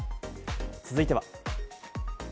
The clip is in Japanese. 続いては。